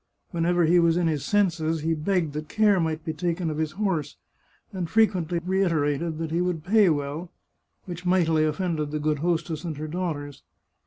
Whenever he was in his senses he begged that care might be taken of his horse, and frequently reiterated that he would pay well, which mightily offended the good hostess and her daughters.